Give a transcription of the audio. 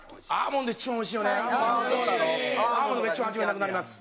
アーモンドが一番初めになくなります。